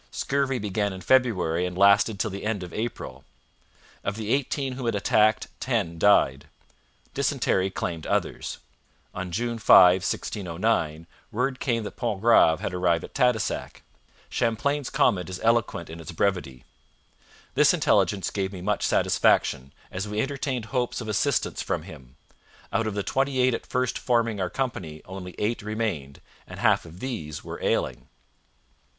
Scurvy began in February and lasted till the end of April. Of the eighteen whom it attacked, ten died. Dysentery claimed others. On June 5, 1609, word came that Pontgrave had arrived at Tadoussac. Champlain's comment is eloquent in its brevity. 'This intelligence gave me much satisfaction, as we entertained hopes of assistance from him. Out of the twenty eight at first forming our company only eight remained, and half of these were ailing.'